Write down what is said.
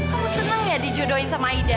kamu senang ya dijodohin sama ida